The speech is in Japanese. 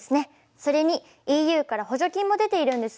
それにＥＵから補助金も出ているんですね。